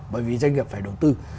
bởi vì doanh nghiệp phải đầu tư